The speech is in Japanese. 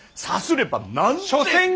さすれば何千。